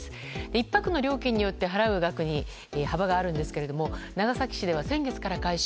１泊の料金によって払う額に幅があるんですが長崎市では先月から開始。